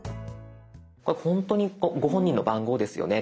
これ本当にご本人の番号ですよね。